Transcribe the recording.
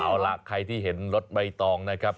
เอาล่ะใครที่เห็นรถใบตองนะครับ